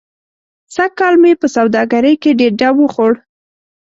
سږ کال مې په سوادګرۍ کې ډېر ډب و خوړ.